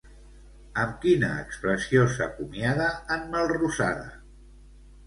Amb quina expressió s'acomiada en Melrosada?